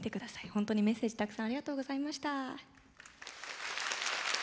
本当にメッセージたくさんありがとうございました。